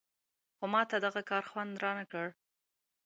خو ماته دغه کار خوند نه راکړ.